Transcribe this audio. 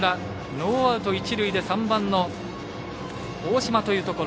ノーアウト、一塁で３番の大島というところ。